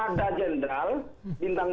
ada jenderal bintang dua